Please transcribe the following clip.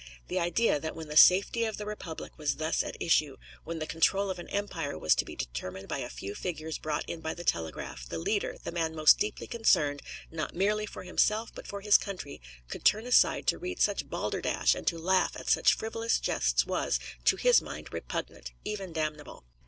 The idea that when the safety of the republic was thus at issue, when the control of an empire was to be determined by a few figures brought in by the telegraph, the leader, the man most deeply concerned, not merely for himself but for his country, could turn aside to read such balderdash and to laugh at such frivolous jests was, to his mind, repugnant, even damnable.